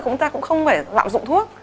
chúng ta cũng không phải lạm dụng thuốc